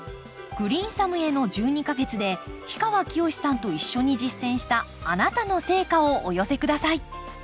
「グリーンサムへの１２か月」で氷川きよしさんと一緒に実践したあなたの成果をお寄せ下さい。